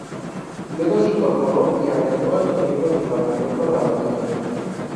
Luego se incorporó y arengó a los miembros del parlamento Rabadilla.